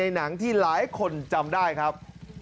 หนังที่หลายคนจำได้ครับ